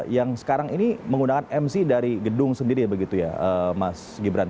yang sekarang ini menggunakan mc dari gedung sendiri begitu ya mas gibran